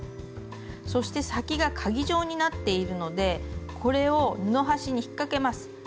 そして先がかぎ状になっているのでこれを布端に引っかけます。